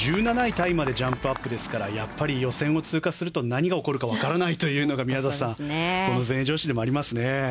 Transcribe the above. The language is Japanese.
タイまでジャンプアップですからやっぱり、予選を通過すると何が起こるか分からないというのが全英女子でもありますね。